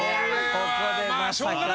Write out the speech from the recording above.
ここでまさかの。